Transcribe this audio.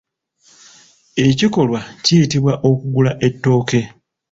Ekikolwa kiyitibwa okugula ettooke.